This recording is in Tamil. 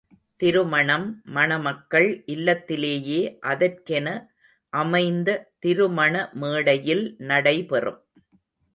திருமணம், மணமக்கள் இல்லத்திலேயே அதற்கென அமைந்த திருமண மேடையில் நடைபெறும்.